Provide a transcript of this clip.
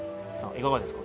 いかがですか？